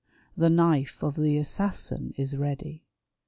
The knife of the assassin is ready.